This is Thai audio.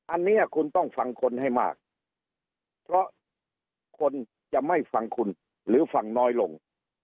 อันนี้คุณต้องฟังคนให้มากเพราะคนจะไม่ฟังคุณหรือฟังน้อยลง